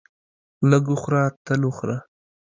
لږ وخوره تل وخوره.